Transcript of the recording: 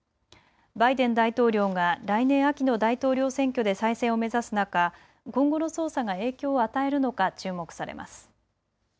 バイデン大統領が来年秋の大統領選挙で再選を目指す中、今後の捜査が影響を与えるのか注目されます。